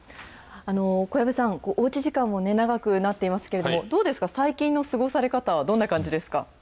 小籔さん、おうち時間も長くなっていますけれども、どうですか、最近の過ごされ方は、どんな感じですか。